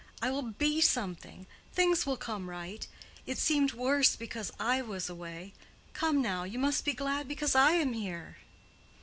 I will be something. Things will come right. It seemed worse because I was away. Come now! you must be glad because I am here."